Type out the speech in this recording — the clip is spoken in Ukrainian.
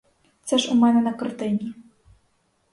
Це ж у мене на картині.